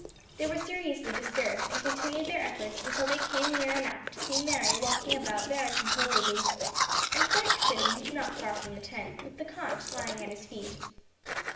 They were seriously disturbed, and continued their efforts until they came near enough to see Mary walking about very composedly, and Frank sitting, not far from the tent, with the conch lying at his feet.